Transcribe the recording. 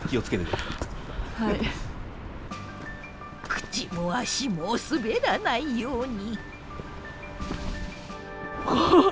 口も足も滑らないように。